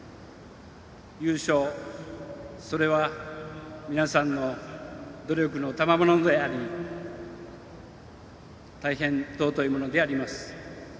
優勝、それは皆さんの努力のたまものであり大変尊いものであります。